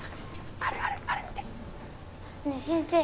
あれあれあれ見てねえ先生